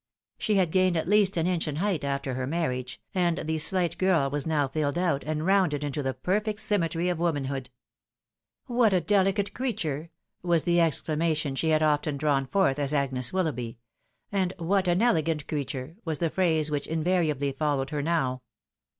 She had gained at least an inch iu height after her marriage, and the slight girl was now fiUed out, and rounded into the perfect symmetry of womanhood. " What a delicate creature !" was the exclama tion she had often drawn forth as Agnes WiUoughby — and " What an elegant creature !" was the phrase which invariably followed her now.